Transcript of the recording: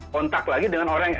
kontak lagi dengan orang